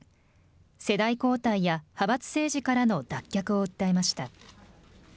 世代交代や派閥政治からの脱却を訴えました。